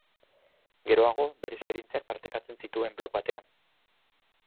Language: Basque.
Geroago, bere esperientziak partekatzen zituen blog batean.